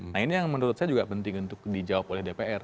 nah ini yang menurut saya juga penting untuk dijawab oleh dpr